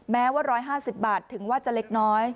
แม้ว่า๑๕๐บาทถึงว่าจะเล็กน้อย